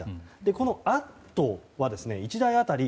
このアットは１台当たり